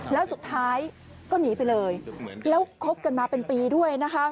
แล้วสุดท้ายก็หนีไปเลยแล้วคบกันมาเป็นปีด้วยนะคะ